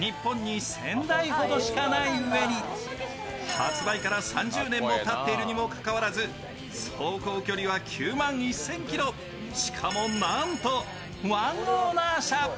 発売から３０年にもたっているにもかかわらず走行距離は９万１０００ｋｍしかもなんと、ワンオーナー車。